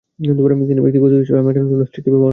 তিনি ব্যক্তিগত হিসাবে মেটানোর জন্য স্ত্রীকে ব্যবহার করছেন!